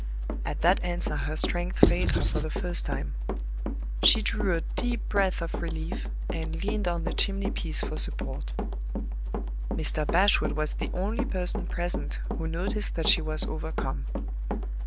At that answer her strength failed her for the first time. She drew a deep breath of relief, and leaned on the chimney piece for support. Mr. Bashwood was the only person present who noticed that she was overcome.